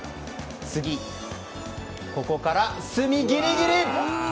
次、ここから隅ギリギリ！